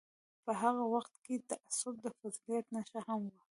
په هغه وخت کې تعصب د فضیلت نښه هم وه.